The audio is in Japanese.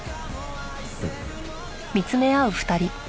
うん。